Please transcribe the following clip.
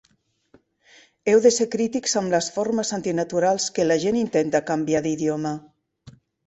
Heu de ser crítics amb les formes antinaturals que la gent intenta canviar d'idioma.